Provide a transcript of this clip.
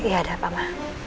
ya ada apa ma